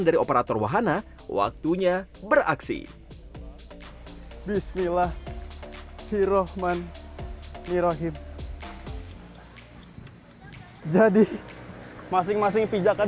dari operator wahana waktunya beraksi bismillahirohmanirohim jadi masing masing pijakan